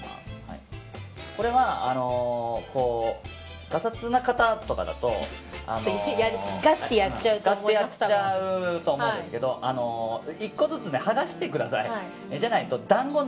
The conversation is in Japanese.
これは、ガサツな方とかだとガッてやっちゃうと思うんですけど１個ずつ剥がしてください。